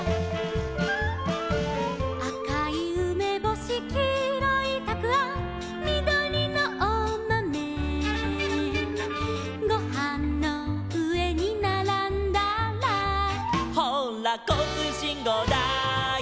「あかいうめぼし」「きいろいたくあん」「みどりのおまめ」「ごはんのうえにならんだら」「ほうらこうつうしんごうだい」